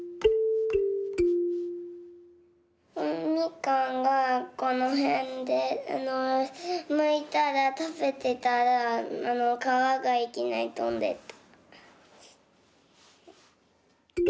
みかんがこのへんでむいたらたべてたらあのかわがいきなりとんでった。